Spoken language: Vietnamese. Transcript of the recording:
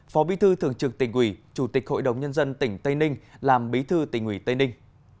phó bí thư thường trực tỉnh ủy chủ tịch hội đồng nhân dân tỉnh tây ninh làm bí thư tỉnh ủy tây ninh